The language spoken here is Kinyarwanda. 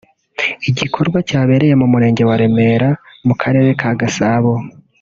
igikorwa cyabereye mu murenge wa Remera mu karere ka Gasabo